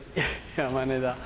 山根だ。